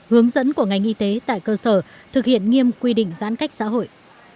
hướng dẫn của ngành y tế tại cơ sở thực hiện nghiêm quy định giãn cách xã hội